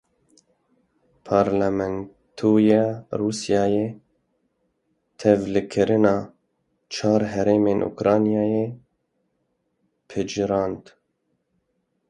Parlamentoya Rûsyayê tevlîkirina çar herêmên Ukraynayê pejirand.